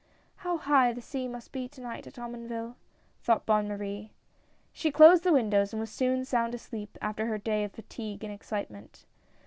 "How high the sea must be to night at Omonville," thought Bonne Marie. She closed the windows, and was soon sound asleep after her day of fatigue and excitement.